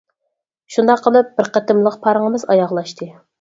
شۇنداق قىلىپ بىر قېتىملىق پارىڭىمىز ئاياغلاشتى.